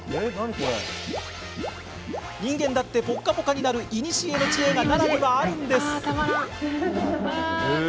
人間だって、ポッカポカになるいにしえの知恵が奈良にはあるんです。